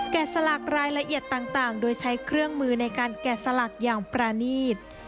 สลักรายละเอียดต่างโดยใช้เครื่องมือในการแกะสลักอย่างประนีต